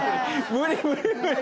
無理無理無理。